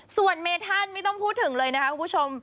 ส่วนเมธันไม่ต้องพูดถึงเลยนะคะคุณผู้ชม